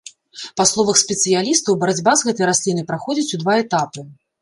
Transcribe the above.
Па словах спецыялістаў, барацьба з гэтай раслінай праходзіць у два этапы.